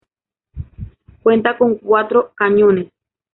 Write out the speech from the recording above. Cuenta con cuatro cañones.